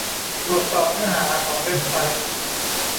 ตรวจสอบเนื้อหาของเว็บไซต์